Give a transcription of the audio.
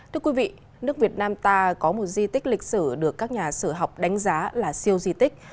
thưa quý vị nước việt nam ta có một di tích lịch sử được các nhà sử học đánh giá là siêu di tích